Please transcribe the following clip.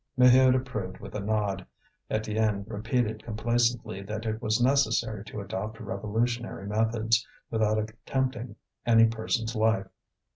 Maheude approved with a nod. Étienne repeated complacently that it was necessary to adopt revolutionary methods, without attempting any person's life.